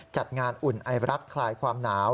จัดงานอุ่นไอรักคลายความหนาว